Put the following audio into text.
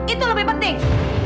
itu lebih penting